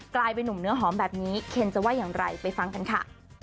กลายเป็นนุ่มเนื้อหอมแบบนี้เคนจะว่าอย่างไรไปฟังกันค่ะ